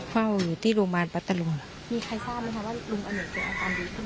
เฝ้าอยู่ที่โรงพยาบาลพัทธรุงมีใครทราบไหมคะว่าลุงอเนกจะอาการดีขึ้น